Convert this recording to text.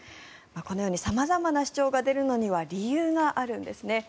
このように様々な主張が出るのには理由があるんですね。